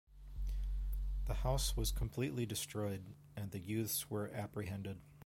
The house was completely destroyed, and the youths were apprehended.